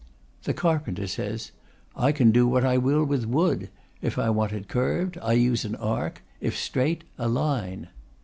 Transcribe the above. The carpenter says: "I can do what I will with wood. If I want it curved, I use an arc; if straight, a line."